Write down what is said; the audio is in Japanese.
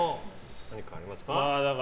何かありますか？